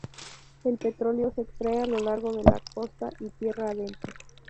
El petróleo se extrae a lo largo de la costa y tierra adentro.